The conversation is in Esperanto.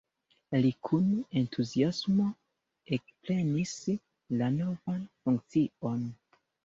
Li kun entuziasmo ekprenis la novan funkcion.